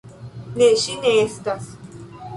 Ne, ŝi ne estas.